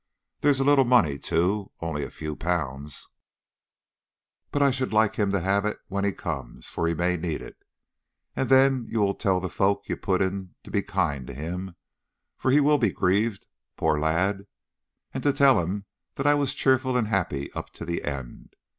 There's a little money too only a few pounds but I should like him to have it when he comes, for he may need it, and then you will tell the folk you put in to be kind to him, for he will be grieved, poor lad, and to tell him that I was cheerful and happy up to the end.